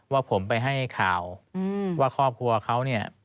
ว่าผมไปให้ข่าวว่าครอบครัวเขาเนี่ย